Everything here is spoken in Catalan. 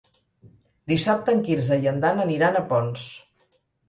Dissabte en Quirze i en Dan aniran a Ponts.